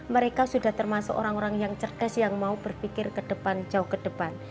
mereka sudah termasuk orang orang yang cerdas yang mau berpikir ke depan jauh ke depan